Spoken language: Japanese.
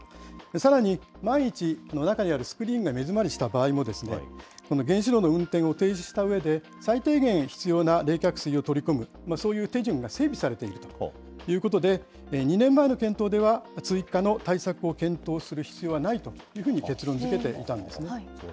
さらに万一の場合、中にあるスクリーンが目詰まりした場合は、原子炉の運転を停止したうえで、最低限必要な冷却水を取り込む、そういう手順が整備されているということで、２年前の検討では、追加の対策を検討する必要はないというふうに結論づけていたんですね。